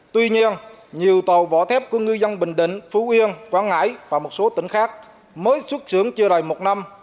tuy nhiên nhiều tàu vỏ thép của ngư dân bình định phú yên quảng ngãi và một số tỉnh khác mới xuất xưởng chưa đầy một năm